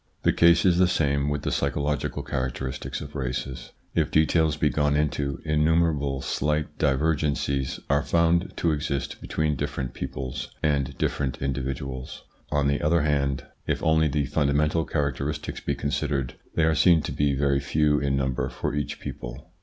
The case is the same with the psychological characteristics of races. If details be gone into, innumerable slight divergencies are found to exist between different peoples and different individuals. On the other hand, if only the fundamental charac teristics be considered, they are seen to be very few in number for each people.